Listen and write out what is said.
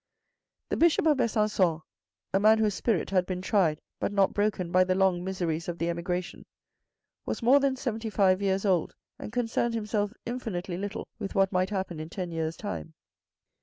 The Bishop of Besancon, a man whose spirit had been tried but not broken by the long miseries of the emigration, was more than seventy five years old and concerned himself in finitely little with what might happen in ten years' time.